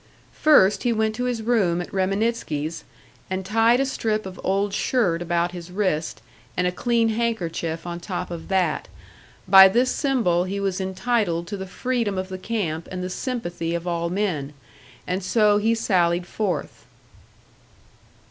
First he went to his room at Reminitsky's, and tied a strip of old shirt about his wrist, and a clean handkerchief on top of that; by this symbol he was entitled to the freedom of the camp and the sympathy of all men, and so he sallied forth.